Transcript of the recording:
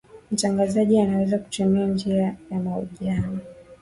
mtangazaji anaweza kutumia njia ya mahojiano